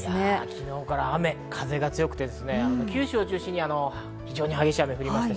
昨日から雨、風が強くて九州を中心に非常に激しい雨が降りました。